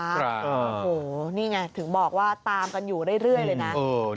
โอ้โหนี่ไงถึงบอกว่าตามกันอยู่เรื่อยเลยนะ